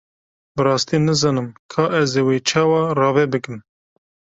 Bi rastî nizanim ka ez ê wê çawa rave bikim.